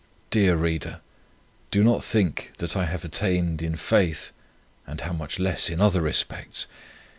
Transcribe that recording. Dear reader, do not think that I have attained in faith (and how much less in other respects!)